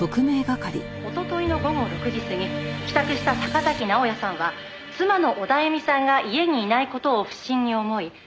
「おとといの午後６時過ぎ帰宅した坂崎直哉さんは妻のオダエミさんが家にいない事を不審に思い」